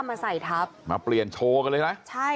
เอานวมมาด้วยนะ